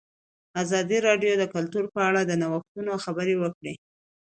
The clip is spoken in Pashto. ازادي راډیو د کلتور په اړه د نوښتونو خبر ورکړی.